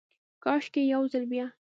کاشکي ، یو ځلې بیا،